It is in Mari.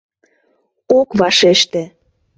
«Ок вашеште.